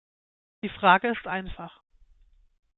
Die Frage ist einfach.